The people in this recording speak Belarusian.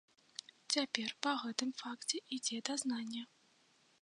Цяпер па гэтым факце ідзе дазнанне.